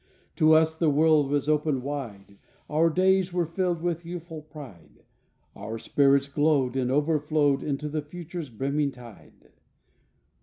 To us the world was open wide Our days were filled with youthful pride Our spirits glowed And overflowed Into the future's brimming tide.